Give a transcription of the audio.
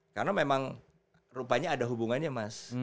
karena memang rupanya ada hubungannya mas